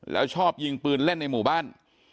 แล้วชอบยิงปืนเล่นในหมู่บ้าน